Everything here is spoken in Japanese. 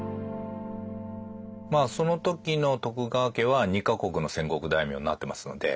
その時の徳川家は２か国の戦国大名になってますので。